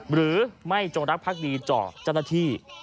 หรือไม่จงรักภักดีต่อเจ้าหน้าที่